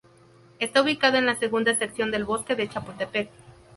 Está ubicado en la segunda sección del Bosque de Chapultepec.